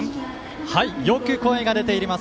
よく声が出ています